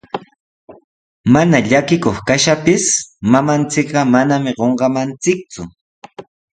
Mana llakikuq kaptinchik, mamanchik manami qunqamanchikku.